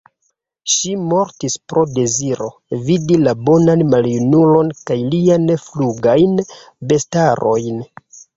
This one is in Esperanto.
Ŝi mortis pro deziro, vidi la bonan maljunulon kaj liajn flugajn bestarojn.